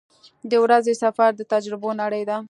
• د ورځې سفر د تجربو نړۍ ده.